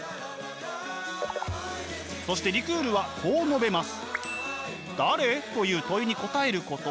そしてリクールはこう述べます。